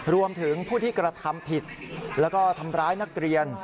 รวมถึงผู้ที่กระทำผิดแล้วก็ทำร้ายนักเรียน